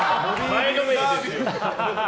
前のめりですよ。